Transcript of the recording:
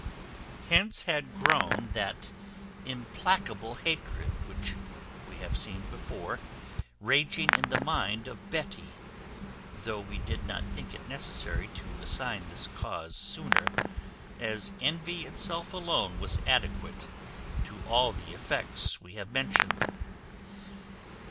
Hence had grown that implacable hatred which we have before seen raging in the mind of Betty; though we did not think it necessary to assign this cause sooner, as envy itself alone was adequate to all the effects we have mentioned.